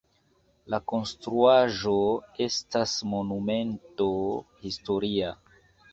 La konstruaĵo estas Monumento historia.